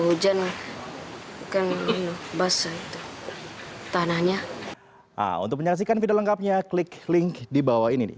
hujan kan basah itu tanahnya untuk menyaksikan video lengkapnya klik link di bawah ini nih